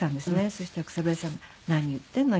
そしたら草笛さんが何言ってんの！